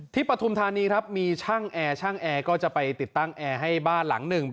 ที่ปฐุมทานีมีช่างแอร์ก็จะไปติดตั้งแอร์ให้บ้านหลังหนึ่ง